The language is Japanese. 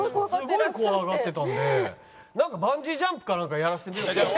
すごい怖がってたんでなんかバンジージャンプかなんかやらせて。